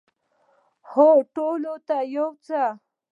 هو، ټولو ته یو څه